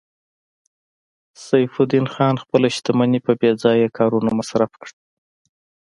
سیف الدین خان خپله شتمني په بې ځایه کارونو مصرف کړه